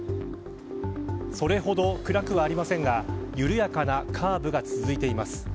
それほど暗くはありませんが緩やかなカーブが続いています。